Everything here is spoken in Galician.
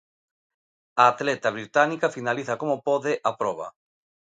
A atleta británica finaliza como pode a proba.